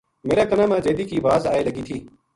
میرا کَنا ں ما جیدی کی واز آئے لگی تھی